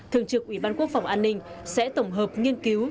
thường trực ủy ban quốc phòng an ninh sẽ tổng hợp nghiên cứu